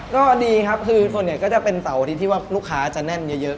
คือทุกส่วนเดียวจะเป็นเต๋าที่ลูกค้าจะแน่นเยอะ